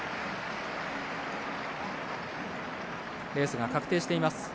レースが確定しています。